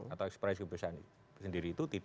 atau ekspresi kebebasan sendiri itu